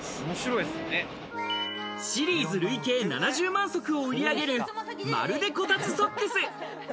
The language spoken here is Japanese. シリーズ累計７０万足を売り上げる、まるでこたつソックス。